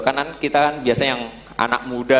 karena kita kan biasanya yang anak muda